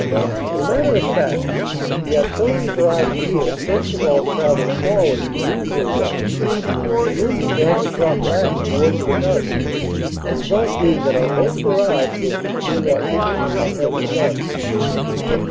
As a matter of fact, the artillery barrage here first of all travelled forward in the usual way and then began to drop back towards the guns the result being that our own barrage was between our infantry and the guns.